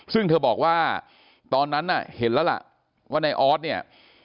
ซึ่งเธอบอกว่าตอนนั้นน่ะเห็นแล้วล่ะว่านายออสเนี่ย